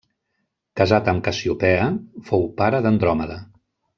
Casat amb Cassiopea, fou pare d'Andròmeda.